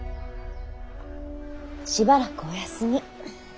しばらくお休み。